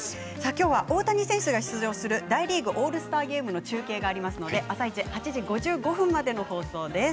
きょうは大谷選手が出場する大リーグオールスターゲームの中継がありますので「あさイチ」８時５５分までの放送です。